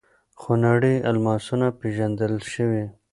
خونړي الماسونه پېژندل شوي.